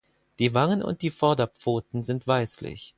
Die Wangen und die Vorderpfoten sind weißlich.